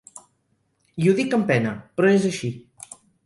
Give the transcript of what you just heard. I ho dic amb pena, però és així.